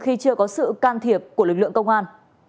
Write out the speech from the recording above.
khi chưa có sự can thiệp của lực lượng công an